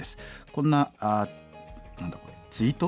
こんな何だこれツイート？